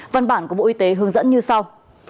văn bản của bộ y tế hướng dẫn như sau